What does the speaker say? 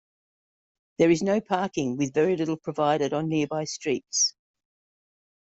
There is no parking with very little provided on nearby streets.